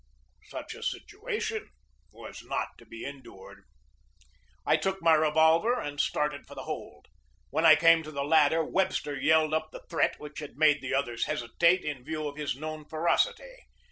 Such a situation was not to be endured. I took my revolver and started for the hold. When I came to the ladder Webster yelled up the threat which had made the others hesitate in view of his known feroc ity.